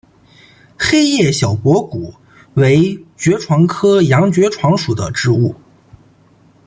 黑叶小驳骨为爵床科洋爵床属的植物。